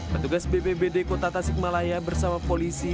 petugas bbbd kota tasik melayah bersama polisi dni